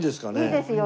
いいですよ